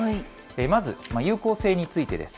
まず有効性についてです。